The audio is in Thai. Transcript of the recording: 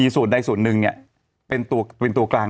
ส่วนใดส่วนหนึ่งเป็นตัวกลาง